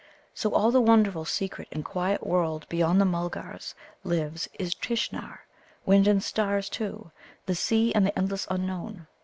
So all the wonderful, secret, and quiet world beyond the Mulgars' lives is Tishnar wind and stars, too, the sea and the endless unknown.